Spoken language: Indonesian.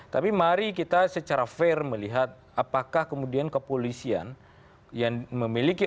tapi mari kita secara fair melihat apakah kemudian kepolisian yang memiliki